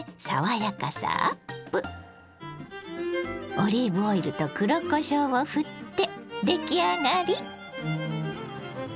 オリーブオイルと黒こしょうをふって出来上がり。